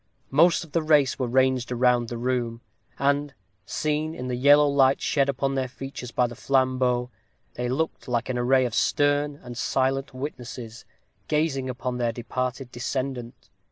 Most of the race were ranged around the room; and, seen in the yellow light shed upon their features by the flambeaux, they looked like an array of stern and silent witnesses, gazing upon their departed descendant.